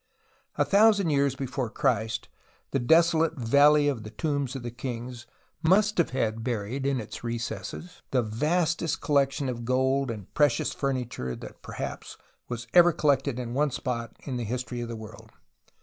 A thousand years before Christ the desolate Valley of the Tombs of the King's must have had buried in its recesses the vastest collection of gold and precious furniture that perhaps was ever collected in one spot in the history of the world.